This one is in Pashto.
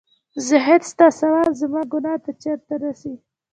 زاهـده سـتـا ثـواب زمـا ګـنـاه تـه چېرته رسـي